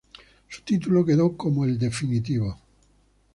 Su título quedó como el definitivo.